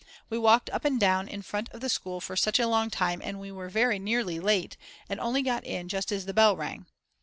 We walked up and down in front of the school for such a long time that we were very nearly late and only got in just as the bell rang.